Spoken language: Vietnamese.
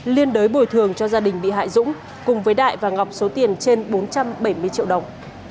liên đối bồi thường cho gia đình bị hại dũng cùng với đại và ngọc số tiền trên bốn trăm bảy mươi triệu đồng